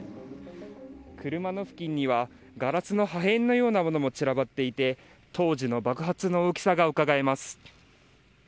車の付近にはガラスの破片のようなものも散らばっていて当時の爆発の大きさがうかがえます。